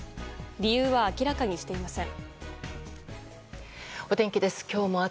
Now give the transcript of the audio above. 理由は明らかにしていません。